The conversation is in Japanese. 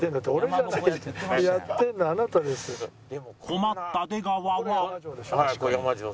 困った出川は